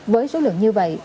với số lượng như vậy